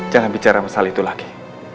jangan bicara masalah itu lagi